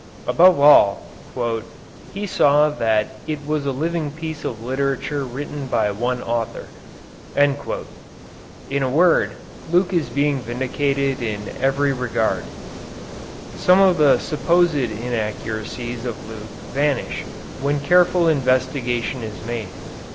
Above all, "he saw that it was a living piece of literature written by one author." In a word, Luke is being vindicated in every regard. Some of the supposed inaccuracies of Luke vanish when careful investigation is made.